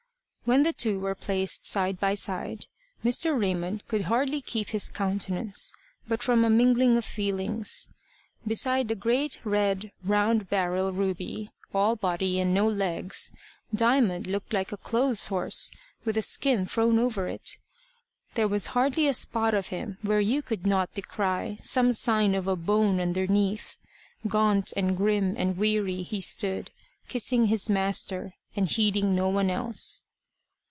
When the two were placed side by side, Mr. Raymond could hardly keep his countenance, but from a mingling of feelings. Beside the great, red, round barrel, Ruby, all body and no legs, Diamond looked like a clothes horse with a skin thrown over it. There was hardly a spot of him where you could not descry some sign of a bone underneath. Gaunt and grim and weary he stood, kissing his master, and heeding no one else.